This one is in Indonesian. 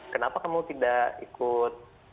kenapa kamu tidak ikut